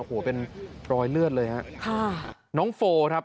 โอ้โหเป็นรอยเลือดเลยครับ